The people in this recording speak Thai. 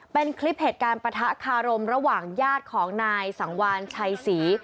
เป็นคลิปเหตุการณ์ปะทะคารมระหว่างญาติของนายสังวานชัยศรี